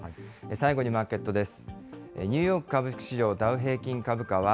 最後にマーケットです。